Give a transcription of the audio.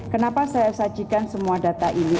kenapa saya sajikan semua data ini